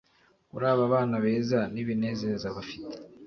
kuri aba bana beza nibinezeza bafite